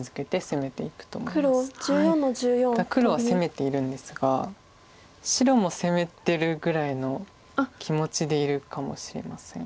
黒は攻めているんですが白も攻めてるぐらいの気持ちでいるかもしれません。